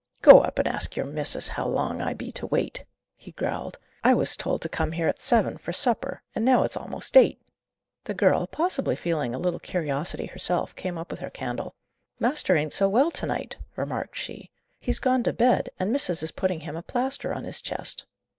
"Go up and ask your missis how long I be to wait?" he growled. "I was told to come here at seven for supper, and now it's a'most eight." The girl, possibly feeling a little curiosity herself, came up with her candle. "Master ain't so well to night," remarked she. "He's gone to bed, and missis is putting him a plaster on his chest."